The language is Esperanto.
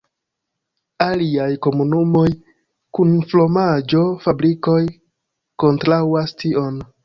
Aliaj komunumoj kun fromaĝo-fabrikoj kontraŭas tion.